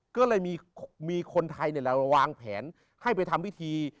ก็เลยมีคนไทยวางแผนให้ไปทำพิธี